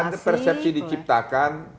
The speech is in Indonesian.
ada persepsi diciptakan